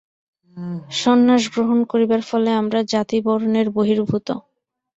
সন্ন্যাস গ্রহণ করিবার ফলে আমরা জাতি-বর্ণের বহির্ভূত।